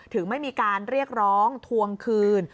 ไม่มีการเรียกร้องทวงคืน